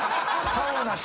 顔はなし。